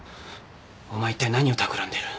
お前一体何をたくらんでる？